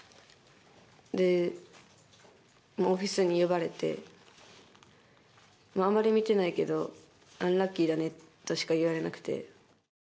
で、オフィスに呼ばれてあまり見てないけどアンラッキーだねとしか言われなくて。